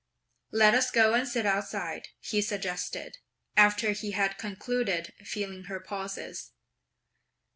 "Let us go and sit outside," he suggested, after he had concluded feeling her pulses.